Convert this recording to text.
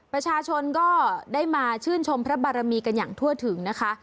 ประชาชนก็ได้มาชื่นชมพระบารมีกันอย่างทั่วถึงนะคะ